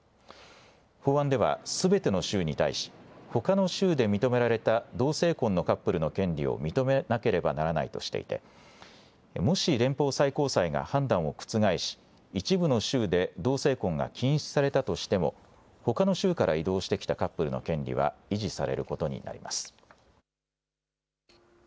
法案では、すべての州に対し、ほかの州で認められた同性婚のカップルの権利を認めなければならないとしていて、もし連邦最高裁が判断を覆し、一部の州で同性婚が禁止されたとしても、ほかの州から移動してきたカップルの権利は維持されることになります。